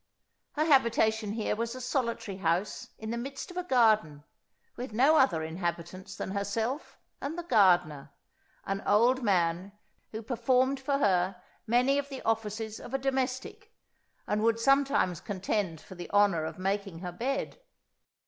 Her habitation here was a solitary house in the midst of a garden, with no other inhabitants than herself and the gardener, an old man, who performed for her many of the offices of a domestic, and would sometimes contend for the honour of making her bed.